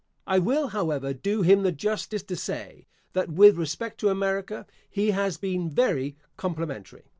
I will, however, do him the justice to say that, with respect to America, he has been very complimentary.